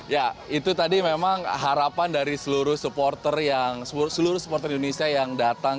ya itu tadi memang harapan dari seluruh supporter indonesia yang datang